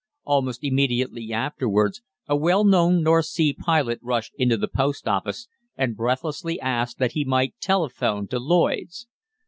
"Almost immediately afterwards a well known North Sea pilot rushed into the post office and breathlessly asked that he might telephone to Lloyd's.